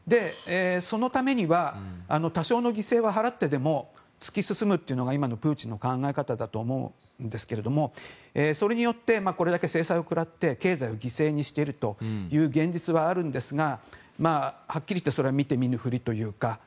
そのためには多少の犠牲は払ってでも突き進むというのが今のプーチンの考え方だと思うんですけれどもそれによってこれだけ制裁を食らって経済を犠牲にしているそういう現実はあるんですがはっきりと言ってそれは見て見ぬふりというか。